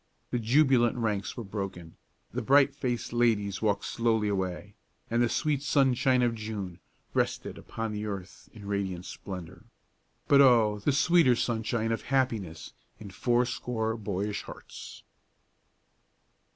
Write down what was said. The jubilant ranks were broken, the bright faced ladies walked slowly away, and the sweet sunshine of June rested upon the earth in radiant splendor. But oh the sweeter sunshine of happiness in fourscore boyish hearts!